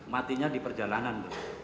matinya di perjalanan